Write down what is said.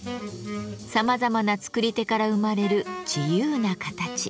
さまざまな作り手から生まれる自由な形。